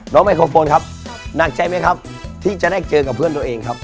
ไมโครโฟนครับหนักใจไหมครับที่จะได้เจอกับเพื่อนตัวเองครับ